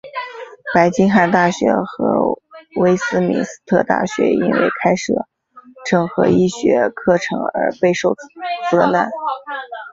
白金汉大学和威斯敏斯特大学因为开设整合医学课程而备受责难。